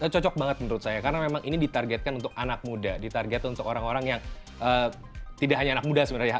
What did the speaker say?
cocok banget menurut saya karena memang ini ditargetkan untuk anak muda ditargetkan untuk orang orang yang tidak hanya anak muda sebenarnya